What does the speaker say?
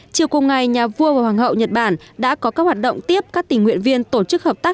chiều cùng ngày nhà vua và hoàng hậu nhật bản đã có các hoạt động tiếp các tình nguyện viên tổ chức hợp tác